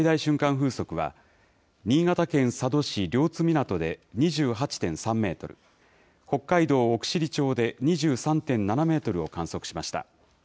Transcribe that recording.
風速は、新潟県佐渡市両津湊で２８．３メートル、北海道奥尻町で２３．７メートルを観測しました。